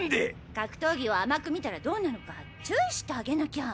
格闘技を甘く見たらどうなるか注意してあげなきゃ。